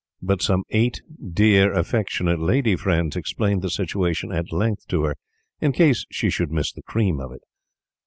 But some eight dear, affectionate lady friends explained the situation at length to her in case she should miss the cream of it.